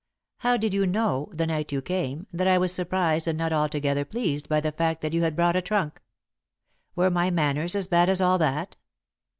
"How did you know, the night you came, that I was surprised and not altogether pleased by the fact that you had brought a trunk? Were my manners as bad as all that?"